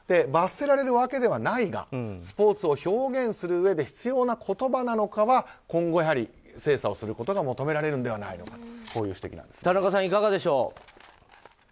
罰せられるわけではないがスポーツを表現するうえで必要な言葉なのかは今後やはり精査をすることが求められるのではないかという田中さん、いかがでしょう。